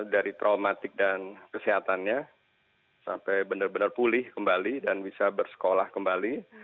dari traumatik dan kesehatannya sampai benar benar pulih kembali dan bisa bersekolah kembali